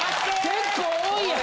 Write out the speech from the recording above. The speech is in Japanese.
結構多いやん。